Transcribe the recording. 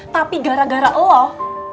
tapi gara gara elo